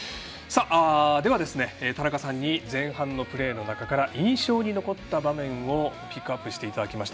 では、田中さんに前半のプレーの中から印象に残った場面をピックアップしていただきました。